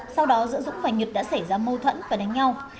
sau đó giữa dũng và nhật đã xảy ra mâu thuẫn và đánh nhau